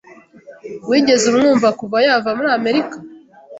Wigeze umwumva kuva yava muri Amerika?